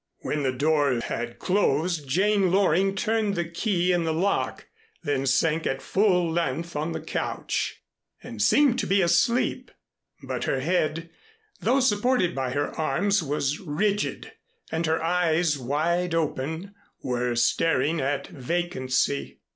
When the door had closed, Jane Loring turned the key in the lock, then sank at full length on the couch, and seemed to be asleep; but her head, though supported by her arms, was rigid and her eyes, wide open, were staring at vacancy.